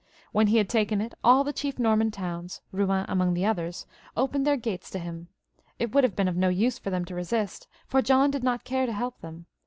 When he had taken it, all the chief Norman towns, Bouen among the others, opened their gates to him. It would have been of no use for them to resist, for John did not care to help them.